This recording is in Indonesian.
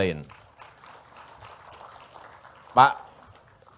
pak di dalam negeri ini yang paling penting adalah investasi